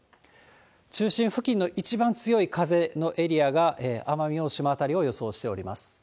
中心付近の一番強い風のエリアが奄美大島辺りを予想しております。